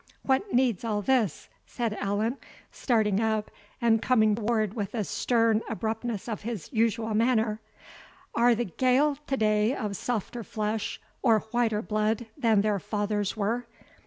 "What needs all this?" said Allan, starting up, and coming forward with the stern abruptness of his usual manner; "are the Gael to day of softer flesh or whiter blood than their fathers were?